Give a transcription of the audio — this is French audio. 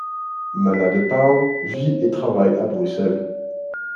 Manah Depauw vit et travaille à Bruxelles.